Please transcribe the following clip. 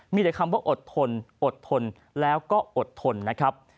มีแต่คำว่าอดทนอดทนแล้วก็อดทนนะครับ